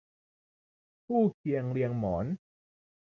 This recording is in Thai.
คู่เคียงเรียงหมอน